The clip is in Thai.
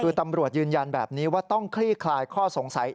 คือตำรวจยืนยันแบบนี้ว่าต้องคลี่คลายข้อสงสัย